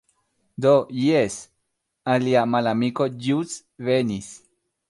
Do jes... alia malamiko ĵus venis.